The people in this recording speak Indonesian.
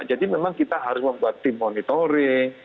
jadi memang kita harus membuat tim monitoring